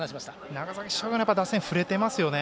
長崎商業の打線振れていますよね。